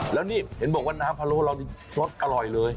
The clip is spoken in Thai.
แล้วนี่เห็นบอกว่าน้ำพะโลปอร่อยเลย